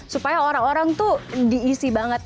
supaya orang orang tuh diisi banget